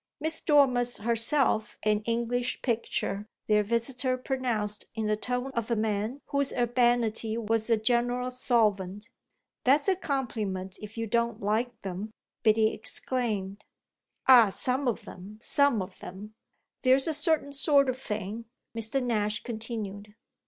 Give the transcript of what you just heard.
"Miss Dormer's herself an English picture," their visitor pronounced in the tone of a man whose urbanity was a general solvent. "That's a compliment if you don't like them!" Biddy exclaimed. "Ah some of them, some of them; there's a certain sort of thing!" Mr. Nash continued.